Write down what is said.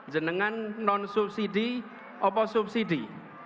jangan non subsidi atau subsidi